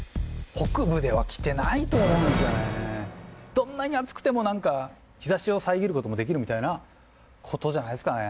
どんなに暑くても何か日ざしを遮ることもできるみたいなことじゃないっすかね。